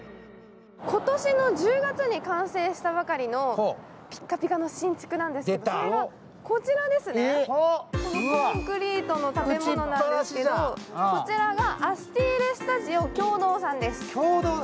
今年の１０月に完成したばかりのピッカピカの新築なんですけどそれがこちらですね、このコンクリートの建物なんですけど、こちらがＡＳＴＩＬＥｓｔｕｄｉｏ経堂さんです。